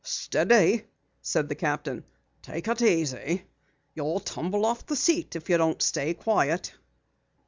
"Steady," said the captain. "Take it easy. You'll tumble off the seat if you don't stay quiet."